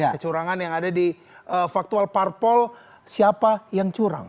kecurangan yang ada di faktual parpol siapa yang curang